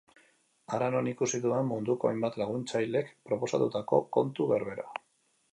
Hara non ikusi dudan munduko hainbat laguntzailek proposatutako kontu berbera.